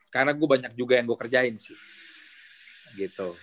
karena gue banyak juga yang gue kerjain sih